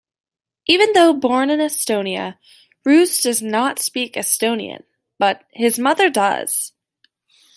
Even though born in Estonia, Roos does not speak Estonian, but his mother does.